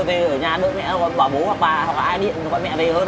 về ở nhà đợi mẹ bỏ bố hoặc bà hoặc ai điện cho mẹ về hơn không